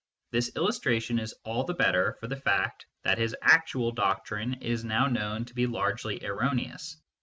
This illustration is all the better for the fact that his actual doctrine is nov? known to be largely erroneous.